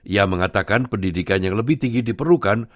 ia mengatakan pendidikan yang lebih tinggi diperlukan